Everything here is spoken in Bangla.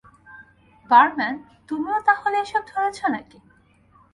বারম্যান, তুমিও তাহলে এসব ধরেছো নাকি?